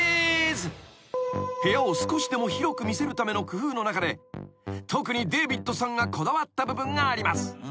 ［部屋を少しでも広く見せるための工夫の中で特にデービッドさんがこだわった部分があります］